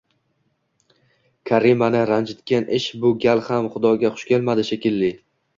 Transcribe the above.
Karimani ranjitgan ish bu gal ham xudoga xush kelmadi, shekilli